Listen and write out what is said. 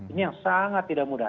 ini yang sangat tidak mudah